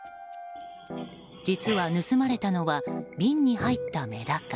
実は、盗まれたのは瓶に入ったメダカ。